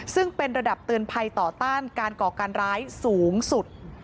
ซึ่งเป็นระดับเตือนภัยต่อต้านการก่อการร้ายสูงสุด